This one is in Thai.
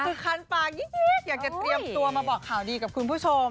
คือคันปากยีกอยากจะเตรียมตัวมาบอกข่าวดีกับคุณผู้ชม